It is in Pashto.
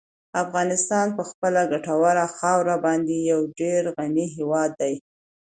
افغانستان په خپله ګټوره خاوره باندې یو ډېر غني هېواد دی.